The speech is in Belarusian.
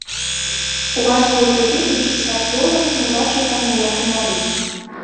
Уважліва прыгледзеўшыся, археолаг не ўбачыў там ніякай нары.